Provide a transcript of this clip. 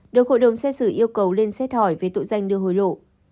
được hội đồng xét xử yêu cầu lên xét hỏi về tội danh đưa hối lộ